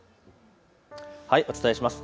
お伝えします。